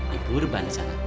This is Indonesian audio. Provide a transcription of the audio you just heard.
ibu berbahan di sana